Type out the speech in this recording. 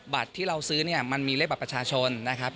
บัตรที่เราซื้อมันมีเลขบัตรประชาชนนะครับ